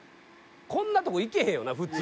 こんなとこ行けへんよな普通」